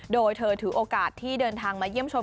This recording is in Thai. โดยเธอถือโอกาสที่เดินทางมาเยี่ยมชม